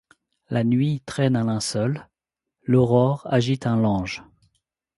La nuit traîne un linceul, l’aurore agite un lange ;